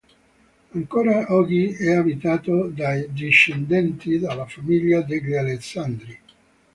Ancora oggi è abitato dai discendenti della famiglia degli Alessandri.